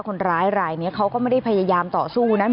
คนร้ายรายนี้เขาก็ไม่ได้พยายามต่อสู้นะ